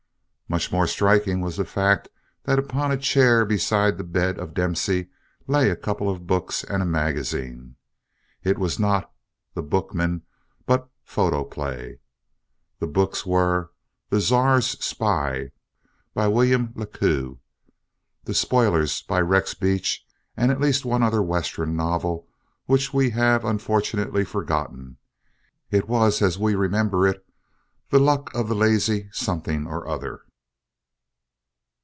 Much more striking was the fact that upon a chair beside the bed of Dempsey lay a couple of books and a magazine. It was not The Bookman but Photo Play. The books were "The Czar's Spy" by William Le Queux, "The Spoilers" by Rex Beach, and at least one other Western novel which we have unfortunately forgotten. It was, as we remember it, the Luck of the Lazy Something or Other.